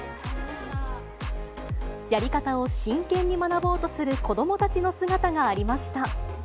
やり方を真剣に学ぼうとする子どもたちの姿がありました。